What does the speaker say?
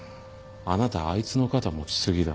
あなたあいつの肩持ち過ぎだ。